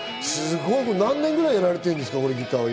何年くらいやられてるんですか？